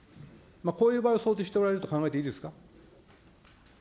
こういう場合を想定しておられると考えていいですか。